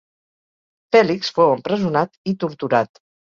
Fèlix fou empresonat i torturat.